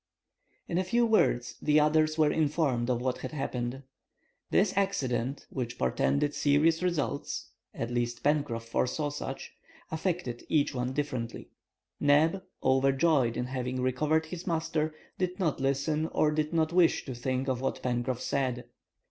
In a few words the others were informed of what had happened. This accident, which portended serious results—at least Pencroff foresaw such—affected each one differently. Neb, overjoyed in having recovered his master, did not listen or did not wish to think of what Pencroff said.